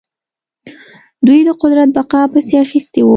دوی د قدرت بقا پسې اخیستي وو.